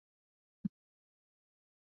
সেই সময়ে এটি বিহার রাজ্যের অংশ ছিল।